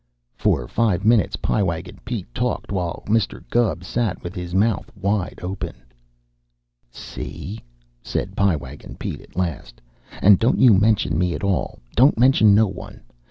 For five minutes Pie Wagon Pete talked, while Mr. Gubb sat with his mouth wide open. "See?" said Pie Wagon at last. "And don't you mention me at all. Don't mention no one.